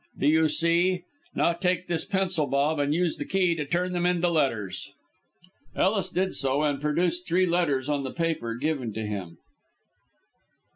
Do you see? Now take this pencil, Bob, and use the key to turn them into letters." Ellis did so, and produced three letters on the paper given to him.